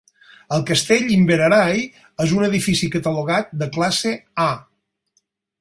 El Castell Inveraray és un edifici catalogat de classe A.